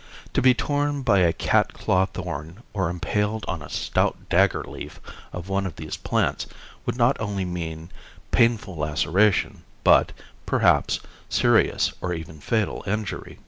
To be torn by a cat claw thorn or impaled on a stout dagger leaf of one of these plants would not only mean painful laceration but, perhaps, serious or even fatal injury.